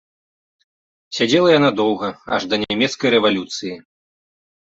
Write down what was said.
Сядзела яна доўга, аж да нямецкай рэвалюцыі.